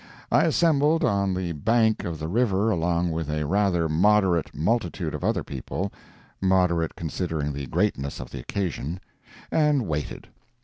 I assembled on the bank of the river along with a rather moderate multitude of other people (moderate considering the greatness of the occasion), and waited.